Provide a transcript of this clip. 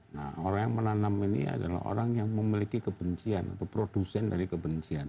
nah orang yang menanam ini adalah orang yang memiliki kebencian atau produsen dari kebencian